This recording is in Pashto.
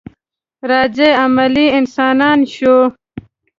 راځئ عملي انسانان شو.